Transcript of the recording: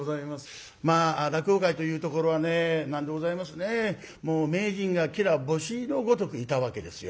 落語界というところはね何でございますねもう名人がきら星のごとくいたわけですよ。